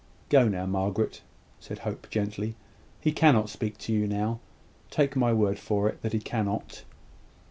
"Go now, Margaret," said Hope, gently. "He cannot speak to you now: take my word for it that he cannot."